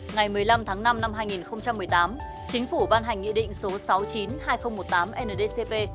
ngày một mươi năm tháng năm năm hai nghìn một mươi tám chính phủ ban hành nghị định số sáu mươi chín hai nghìn một mươi tám ndcp